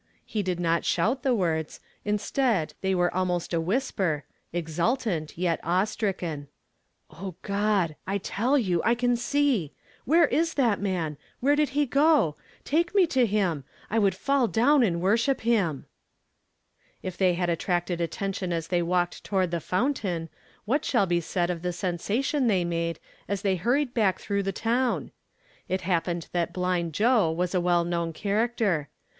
Ho did not shout the words • istead, they were almost a whisper, exultant, yet awe stricken. " O God ! I tell you I can seel Where is tli.tb man? Where did he go ? Take me to him ! I could fall down and worship him." If hey had attracted attention as they walked toward the fountain, what shall be said of the sensation they made as they hurried back through the town ? It happened that blind Joe was a well known character.